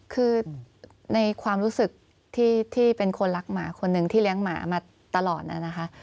คือในความรู้สึกที่เป็นคนรักหมาคนหนึ่งที่เลี้ยงหมามาตลอดน่ะนะคะ